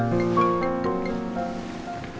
terima kasih pak